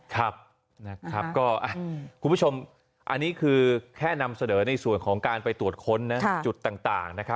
ครับก็คุณผู้ชมอันนี้คือแค่นำเสนอในส่วนของการไปตรวจค้นจุดต่าง